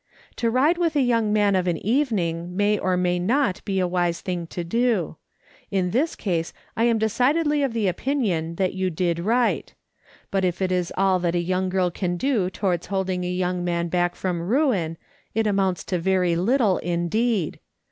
To ride with a young man of an evening may or may not be a wise thing to do. In this case I am decidedly of the opinion that you did right ; but if it is all that a young girl can do towards holding a young man back from ruin, it amounts to very little indeed.